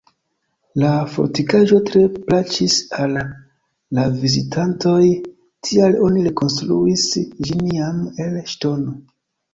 La fortikaĵo tre plaĉis al la vizitantoj, tial oni rekonstruis ĝin jam el ŝtono.